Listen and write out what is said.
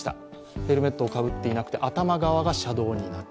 ヘルメットをかぶっていなくて頭側が車道になった。